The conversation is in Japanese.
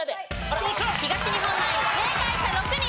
東日本ナイン正解者６人。